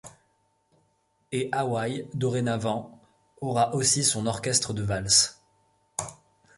Et Hawaï, dorénavant, aura aussi son orchestre de valse.